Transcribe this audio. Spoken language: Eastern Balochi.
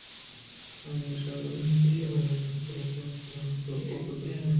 آئی ءَشال دست ءَ کُت ءُ نرم نرم ءَ برو بر کنانءَ گپ بندات کُت